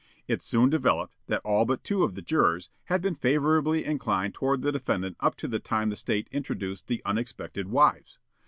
It soon developed that all but two of the jurors had been favorably inclined toward the defendant up to the time the State introduced the unexpected wives.